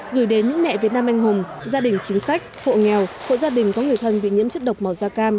gửi đến những mẹ việt nam anh hùng gia đình chính sách hộ nghèo hộ gia đình có người thân bị nhiễm chất độc màu da cam